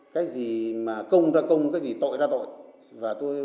cái gì mà công ra công cái gì tội ra tội